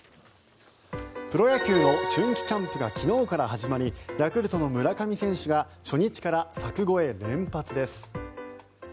プロ野球の春季キャンプが昨日から始まりヤクルトの村上選手が初日から柵越え連発です。